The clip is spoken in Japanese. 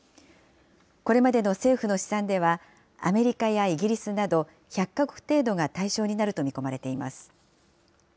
これまでの政府の試算では、アメリカやイギリスなど、１００か国程度が対象になると見込まれています。